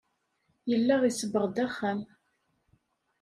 Yella isebbeɣ-d axxam.